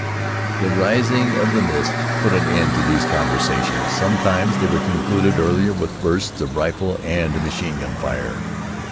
The rising of the mists put an end to these conversations. Sometimes they were concluded earlier with bursts of rifle and machine gun fire.